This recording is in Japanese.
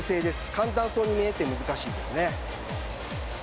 簡単そうに見えて難しいです。